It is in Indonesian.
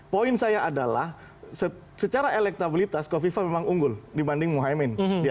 poin saya adalah secara elektabilitas kofifa memang unggul dibanding muhaymin